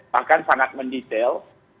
bahkan sangat mendetail